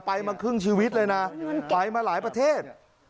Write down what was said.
มาครึ่งชีวิตเลยนะไปมาหลายประเทศ